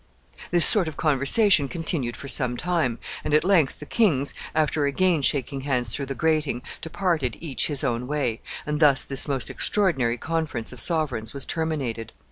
This sort of conversation continued for some time, and at length the kings, after again shaking hands through the grating, departed each his own way, and thus this most extraordinary conference of sovereigns was terminated.